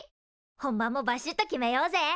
本番もバシッと決めようぜ！